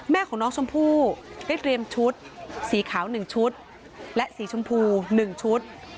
แม่ของน้องชมพู่ได้เตรียมชุดสีขาว๑ชุดและสีชมพู๑ชุด